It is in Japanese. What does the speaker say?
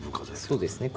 そうですね